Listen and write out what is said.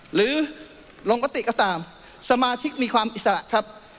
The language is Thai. หรือลงมติก็ตามสมาชิกมีความอิสระครับ